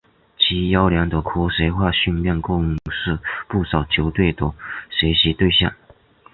其优良的科学化训练更是不少球队的学习对象。